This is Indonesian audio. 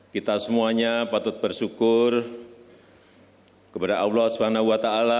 kita semuanya patut bersyukur kepada allah swt